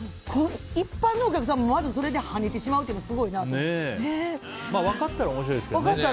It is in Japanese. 一般のお客さんもまずはこれではねてしまうのが分かったら面白いですけどね。